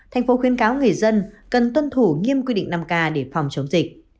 thành phố khuyến cáo người dân cần tuân thủ nghiêm quy định năm k để phòng chống dịch